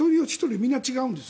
みんな違うんです。